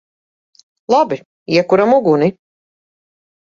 Labi. Iekuram uguni!